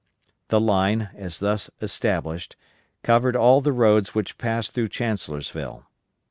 The line, as thus established, covered all the roads which passed through Chancellorsville.